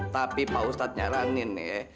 tapi pak ustadz nyaranin ya